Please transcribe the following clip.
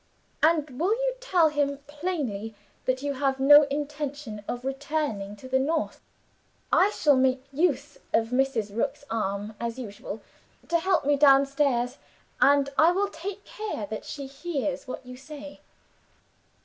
'And will you tell him plainly that you have no intention of returning to the North? I shall make use of Mrs. Rook's arm, as usual, to help me downstairs and I will take care that she hears what you say.